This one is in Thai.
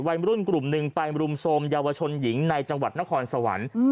วัยรุ่นกลุ่มหนึ่งไปรุมโทรมเยาวชนหญิงในจังหวัดนครสวรรค์